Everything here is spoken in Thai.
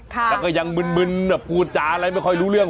ค่ะแล้วก็ยังมืนผู้จ๋าอะไรไม่ค่อยรู้เรื่อง